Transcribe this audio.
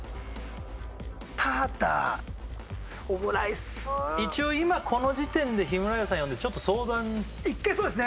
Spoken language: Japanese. ただオムライス一応今この時点でヒムラヤさん呼んでちょっと相談一回そうですね